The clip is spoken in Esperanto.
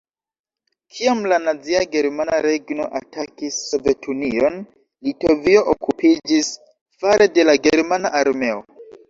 Kiam la nazia Germana Regno atakis Sovetunion, Litovio okupiĝis fare de la germana armeo.